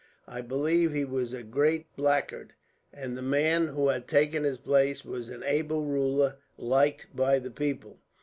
I believe he was a great blackguard, and the man who had taken his place was an able ruler liked by the people."